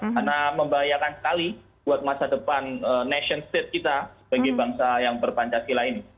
karena membahayakan sekali buat masa depan nation state kita bagi bangsa yang berpancasila ini